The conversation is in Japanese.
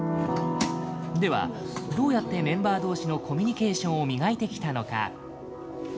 では、どうやってメンバー同士のコミュニケーションを磨いてきたのか。